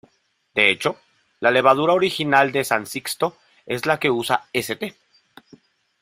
De hecho, la levadura original de San Sixto es la que usa St.